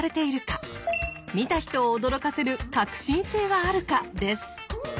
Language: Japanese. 見た人を驚かせる革新性はあるかです。